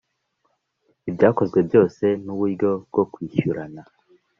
ibyakozwe byose n uburyo bwo kwishyurana